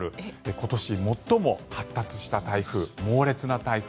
今年最も発達した台風猛烈な台風。